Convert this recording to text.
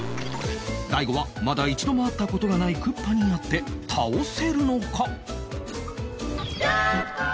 大悟はまだ一度も会った事がないクッパに会って倒せるのか？